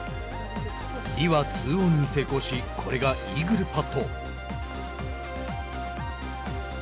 リはツーオンに成功しこれがイーグルパット。